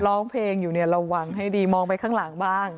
ร้องเพลงอยู่เนี่ยระวังให้ดีมองไปข้างหลังบ้าง